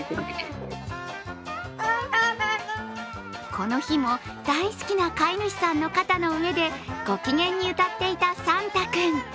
この日も、大好きな飼い主さんの肩の上でご機嫌に歌っていたさんた君。